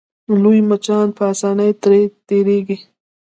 لوی مچان په اسانۍ ترې تېرېږي.